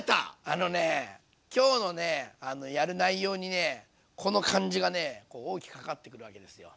あのね今日のねやる内容にねこの感じがね大きく関わってくるわけですよ。